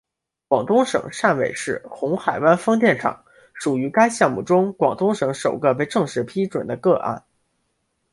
广东省汕尾市红海湾风电厂属于该项目中广东省首个被正式批准的个案。